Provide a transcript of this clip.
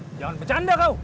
wah jangan bercanda kau